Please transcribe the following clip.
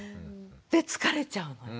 で疲れちゃうのよ。